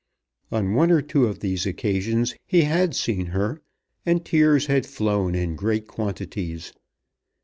On one or two of these occasions he had seen her, and tears had flown in great quantities.